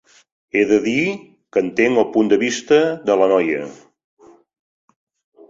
He de dir que entenc el punt de vista de la noia.